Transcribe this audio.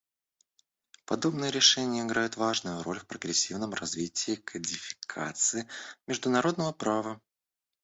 Подобные решения играют важную роль в прогрессивном развитии и кодификации международного права.